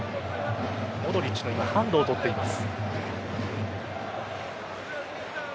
モドリッチのハンドを取っています。